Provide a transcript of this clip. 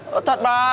có thật mà